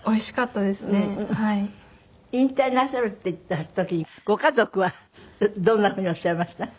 引退なさるって言った時ご家族はどんなふうにおっしゃいました？